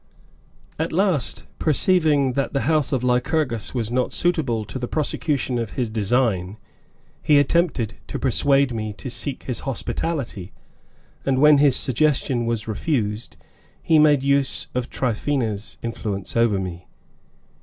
At last, perceiving that the house of Lycurgus was not suitable to the prosecution of his design, he attempted to persuade me to seek his hospitality, and when his suggestion was refused, he made use of Tryphaena's influence over me.